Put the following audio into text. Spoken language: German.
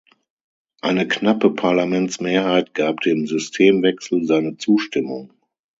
Eine knappe Parlamentsmehrheit gab dem Systemwechsel seine Zustimmung.